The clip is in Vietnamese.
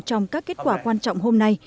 trong các kết quả quan trọng hôm nay